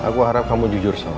hai aku harap kamu jujur selalu